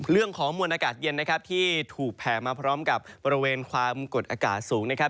มวลอากาศเย็นนะครับที่ถูกแผ่มาพร้อมกับบริเวณความกดอากาศสูงนะครับ